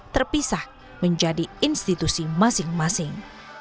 terpisah menjadi institusi masing masing